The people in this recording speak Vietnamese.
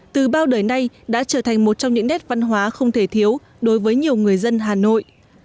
từ bao đời nay đã trở thành một trong những nét văn hóa không thể thiếu đối với nhiều người dân hà nội